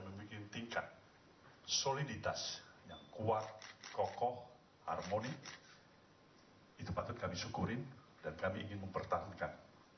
membuat tingkat soliditas yang kuat kokoh harmoni itu patut kami syukurin dan kami ingin mempertahankan